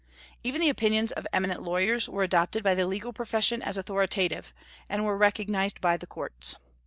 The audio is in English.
Even the opinions of eminent lawyers were adopted by the legal profession as authoritative, and were recognized by the courts.